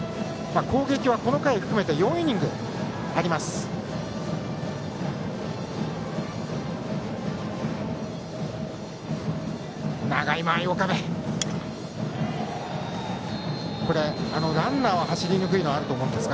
攻撃はこの回含めて４イニングあります。